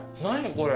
これ。